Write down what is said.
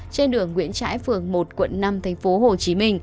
trên đường nguyễn trãi phường một quận năm tp hcm